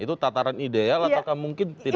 itu tataran ideal atau mungkin tidak